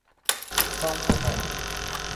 São Tomé